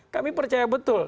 kami percaya betul